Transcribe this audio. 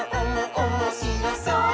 おもしろそう！」